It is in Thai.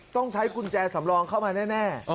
ต้องใช้กุญแจสำรองเข้ามาแน่